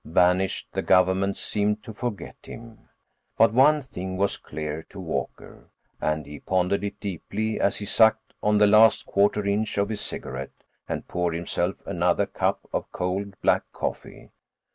Banished, the government seemed to forget him. But one thing was clear to Walker, and he pondered it deeply as he sucked on the last quarter inch of his cigarette and poured himself another cup of cold black coffee.